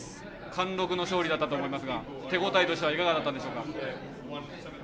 貫禄の勝利だったと思いますが手応えとしてはいかがですか。